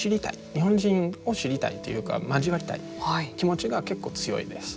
日本人を知りたいというか交わりたい気持ちが結構強いです。